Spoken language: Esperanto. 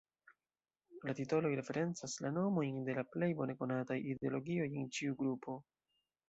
La titoloj referencas la nomojn de la plej bone konataj ideologioj en ĉiu grupo.